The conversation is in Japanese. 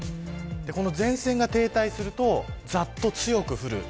この前線が停滞するとざっと強く降る。